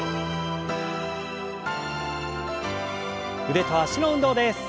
腕と脚の運動です。